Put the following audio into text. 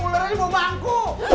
ulernya mau bangku